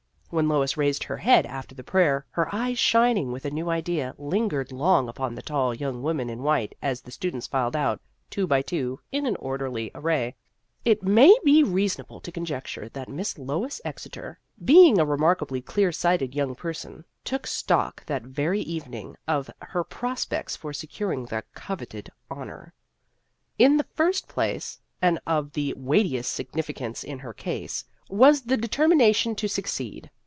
When Lois raised her head after the prayer, her eyes, shining with a new idea, lingered long upon the tall young woman in white, as the students filed out, two by two, in orderly array. It maybe reasonable to conjecture that Miss Lois Exeter, being a remarkably clear sighted young person, took stock that very evening of her prospects for se curing the coveted honor. In the first The History of an Ambition 33 place, and of weightiest significance in her case, was the determination to suc ceed.